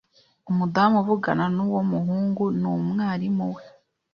Umudamu uvugana nuwo muhungu ni umwarimu we.